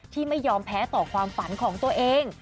ที่ไม่ยอมแพ้ต่อความฝันของตัวเอง